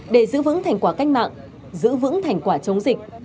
để giữ vững thành quả cách mạng giữ vững thành quả chống dịch